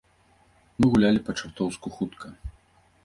Мы гулялі па-чартоўску хутка.